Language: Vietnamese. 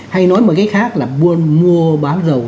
hay nói một cách khác là mua bán dầu